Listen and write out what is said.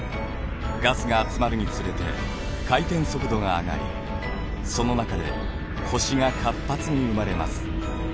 ガスが集まるにつれて回転速度が上がりその中で星が活発に生まれます。